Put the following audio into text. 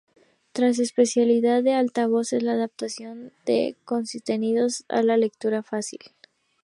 Otra especialidad de Altavoz es la adaptación de contenidos a lectura fácil.